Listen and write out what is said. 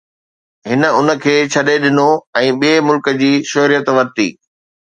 هن ان کي ڇڏي ڏنو ۽ ٻئي ملڪ جي شهريت ورتي